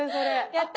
やった！